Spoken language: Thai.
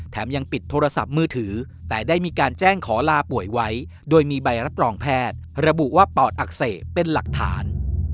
ยังปิดโทรศัพท์มือถือแต่ได้มีการแจ้งขอลาป่วยไว้โดยมีใบรับรองแพทย์ระบุว่าปอดอักเสบเป็นหลักฐาน